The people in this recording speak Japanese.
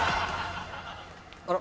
あら。